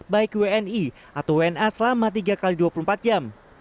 baik wni atau wna selama tiga x dua puluh empat jam